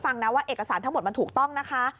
ฟังนะว่าเอกสารทั้งหมดมันถูกต้องนะคะ